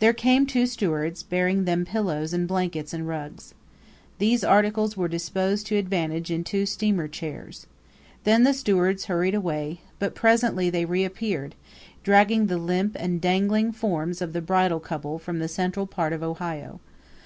There came two stewards, bearing with them pillows and blankets and rugs. These articles were disposed to advantage in two steamer chairs. Then the stewards hurried away; but presently they reappeared, dragging the limp and dangling forms of the bridal couple from the central part of Ohio.